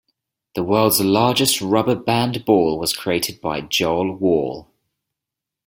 The world's largest rubber band ball was created by Joel Waul.